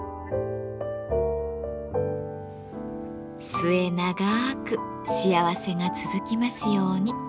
末永く幸せが続きますように。